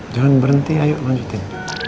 jangan berhenti ayo lanjutin